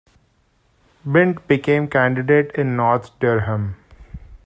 Bint became candidate in North Durham.